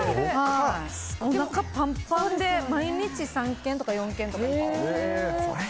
おなかパンパンで毎日３軒とか４軒とか。